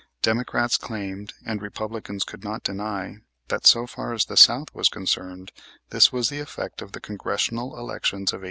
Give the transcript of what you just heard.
Democrats claimed, and Republicans could not deny, that so far as the South was concerned this was the effect of the Congressional elections of 1874.